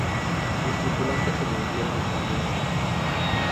Los tripulantes sobrevivieron al siniestro.